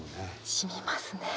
しみますね。